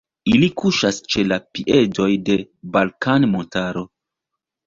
Ili kuŝas ĉe la piedoj de Balkan-montaro.